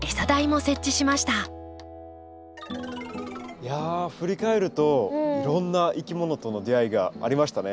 いや振り返るといろんないきものとの出会いがありましたね。